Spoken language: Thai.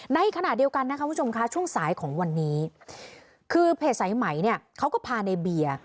ในขณะเดียวกันช่วงสายของวันนี้เพศไซม์ใหม่เขาก็พาในเบียร์